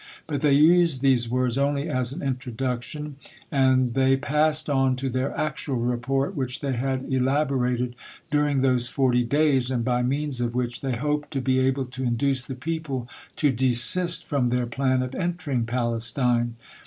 But they used these words only as an introduction, and the passed on to their actual report, which they had elaborated during those forty days, and by means of which they hoped to be able to induce the people to desist from their plan of entering Palestine.